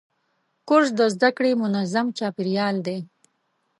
کورس د زده کړې منظم چاپېریال دی.